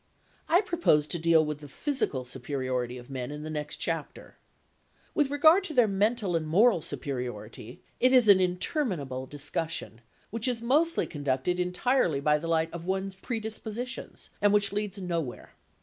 I propose to deal with the physical superiority of men in the next chapter. With regard to their mental and moral superiority, it is an interminable discussion, which is mostly conducted entirely by the light of one's predispositions, and which leads nowhere.